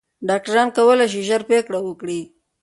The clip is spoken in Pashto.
ډاکټران کولی شي ژر پریکړه وکړي.